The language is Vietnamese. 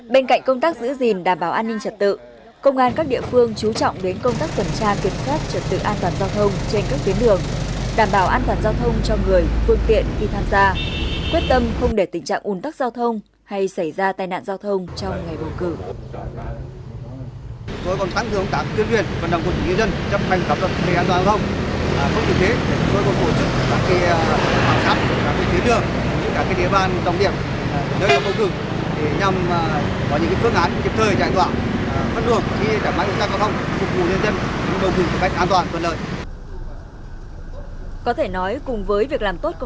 bên cạnh công tác giữ gìn đảm bảo an ninh trật tự công an các địa phương chú trọng đến công tác tuần tra kiểm soát trật tự an toàn giao thông trên các tuyến đường đảm bảo an toàn giao thông cho người phương tiện khi tham gia quyết tâm không để tình trạng ủn tắc giao thông hay xảy ra tai nạn giao thông trong ngày bầu cử